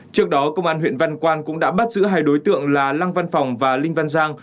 trước đó công an huyện văn quan cũng đã bắt giữ hai đối tượng là lăng văn phòng và linh văn giang